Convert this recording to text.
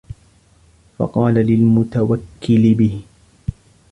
فَقَالَ لِلْمُتَوَكِّلِ بِهِ